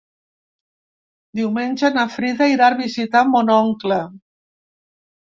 Diumenge na Frida irà a visitar mon oncle.